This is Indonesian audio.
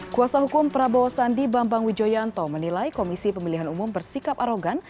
kuasa hukum prabowo sandi bambang wijoyanto menilai komisi pemilihan umum bersikap arogan